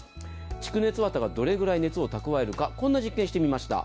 蓄熱綿がどれくらい熱を蓄えるかこんな実験をしてみました。